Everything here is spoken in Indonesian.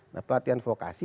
nah pelatihan vokasi